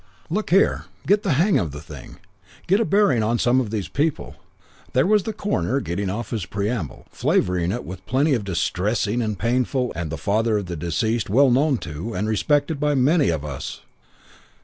II "Look here, get the hang of the thing. Get a bearing on some of these people. There was the coroner getting off his preamble flavouring it with plenty of 'distressings' and 'painfuls' and 'father of the deceased well known to and respected by many of us es.'